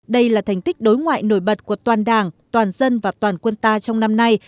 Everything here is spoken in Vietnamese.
đây là thành tích đối ngoại nổi bật của toàn đảng toàn dân và toàn quân ta trong năm nay